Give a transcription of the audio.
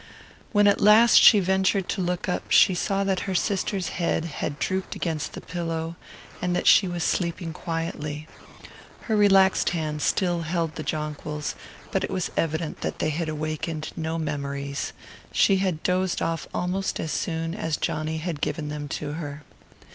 When at last she ventured to look up, she saw that her sister's head had drooped against the pillow, and that she was sleeping quietly. Her relaxed hand still held the jonquils, but it was evident that they had awakened no memories; she had dozed off almost as soon as Johnny had given them to her.